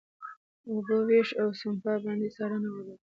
اوبو وېش، او سپما باندې څارنه ولري.